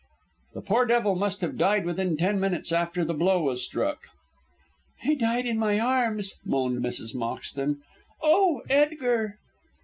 "The poor devil must have died within ten minutes after the blow was struck." "He died in my arms," moaned Mrs. Moxton. "Oh, Edgar!"